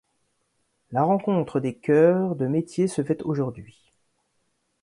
la rencontre des cœurs de métiers se fait aujourd'hui